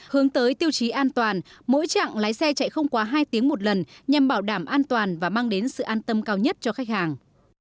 hướng tới tiêu chí an toàn mỗi chặng lái xe chạy không quá hai tiếng một lần nhằm bảo đảm an toàn và mang đến sự an tâm cao nhất cho khách hàng